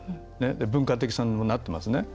文化的遺産にもなってますね。